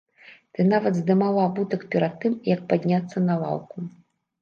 Ты нават здымала абутак перад тым, як падняцца на лаўку.